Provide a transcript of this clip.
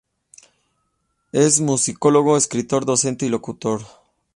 Es musicólogo, escritor, docente y locutor.